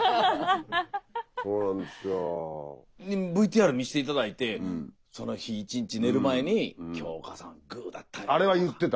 ＶＴＲ見せて頂いてその日１日寝る前に「今日おかあさんグーだったよ」